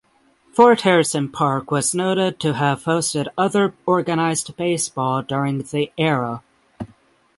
Fort Harrison Park was noted to have hosted other organized baseball during the era.